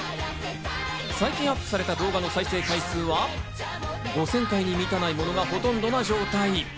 最近アップされた動画の再生回数は５０００回に満たないものがほとんどな状態。